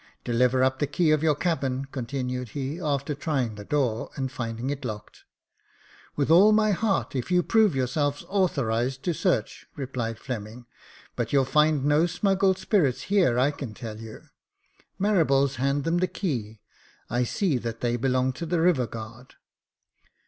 Deliver up the key of your cabin," continued he, after trying the door, and finding it locked. " With all my heart, if you prove yourselves authorised to search," replied Fleming ;" but you'll find no smuggled spirits here, I can tell you. Marables, hand them the key ; I see that they belong to the river guard."